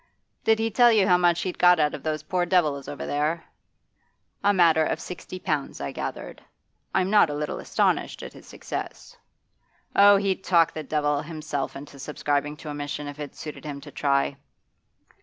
'Did he tell you how much he'd got out of those poor devils over there?' 'A matter of sixty pounds, I gathered. I am not a little astonished at his success.' 'Oh, he'd talk the devil himself into subscribing to a mission if it suited him to try.